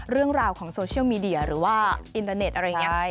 เรื่องราวของโซเชียลมีเดียหรือว่าอินเตอร์เน็ตอะไรอย่างนี้